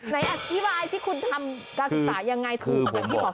ไหนอธิบายที่คุณทำการศึกษายังไงถูกกับที่หมอไก่บอกไหม